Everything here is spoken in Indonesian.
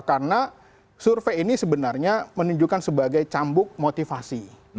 karena survei ini sebenarnya menunjukkan sebagai cambuk motivasi